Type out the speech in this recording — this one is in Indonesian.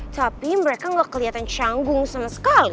tapi mereka ga keliatan canggung sama sekali